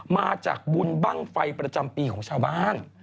มาจากบุญบ้างไฟประจำปีของชาวบ้าน